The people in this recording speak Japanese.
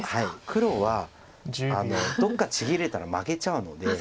黒はどこかちぎれたら負けちゃうので。